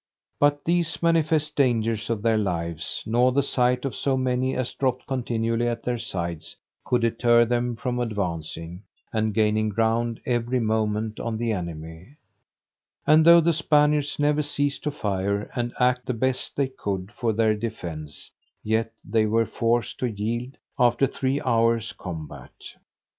But these manifest dangers of their lives, nor the sight of so many as dropped continually at their sides, could deter them from advancing, and gaining ground every moment on the enemy; and though the Spaniards never ceased to fire, and act the best they could for their defence, yet they were forced to yield, after three hours' combat.